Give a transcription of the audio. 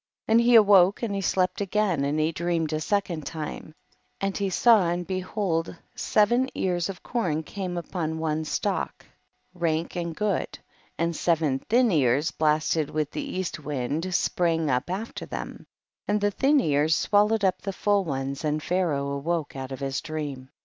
5. And he awoke, and he slept again and he dreamed a second time, and he saw and behold seven ears of corn came up upon one stalk, rank and good, and seven thin ears blast ed with the east wind sprang up after them, and the thin ears swal lowed up the full ones, and Pharaoh awoke out of his dream.